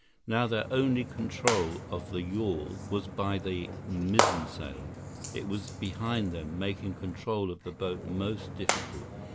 Now their only control of the yawl was by the mizzensail. It was behind them, making control of the boat most difficult.